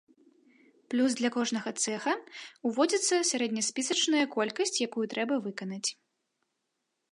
Плюс для кожнага цэха ўводзіцца сярэдняспісачная колькасць, якую трэба выканаць.